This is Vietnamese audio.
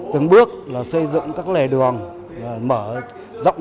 từng bước là xây dựng các lề đường mở rộng